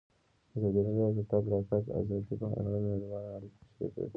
ازادي راډیو د د تګ راتګ ازادي په اړه نړیوالې اړیکې تشریح کړي.